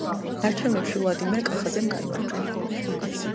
არჩევნებში ვლადიმერ კახაძემ გაიმარჯვა.